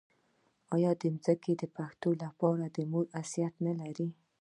آیا ځمکه د پښتون لپاره د مور حیثیت نلري؟